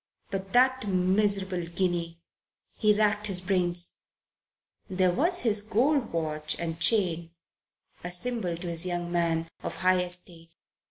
But that miserable guinea! He racked his brains. There was his gold watch and chain, a symbol, to his young mind, of high estate.